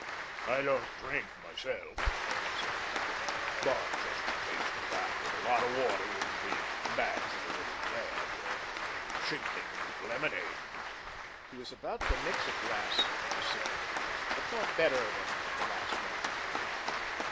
"I don't drink myself," observed Dyke, "but just a taste of that with a lot of water wouldn't be bad for the little tad. She'd think it was lemonade." He was about to mix a glass for Sidney, but thought better of it at the last moment.